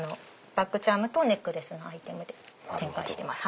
バッグチャームとネックレスのアイテムで展開してます。